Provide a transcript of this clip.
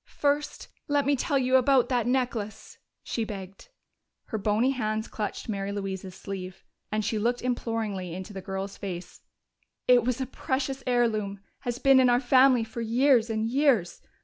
"First let me tell you about that necklace!" she begged. Her bony hands clutched Mary Louise's sleeve, and she looked imploringly into the girl's face. "It was a precious heirloom has been in our family for years and years.